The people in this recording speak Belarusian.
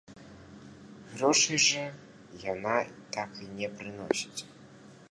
Грошай жа яна так і не прыносіць!